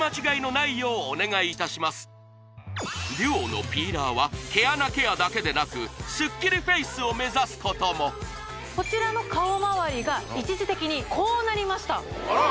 ＤＵＯのピーラーは毛穴ケアだけでなくスッキリフェイスを目指すこともこちらの顔まわりが一時的にこうなりましたあら！